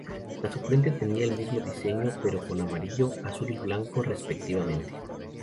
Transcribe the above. La suplente tenía el mismo diseño, pero con amarillo, azul y blanco, respectivamente.